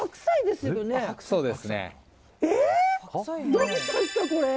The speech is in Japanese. どうしたんですか、これ。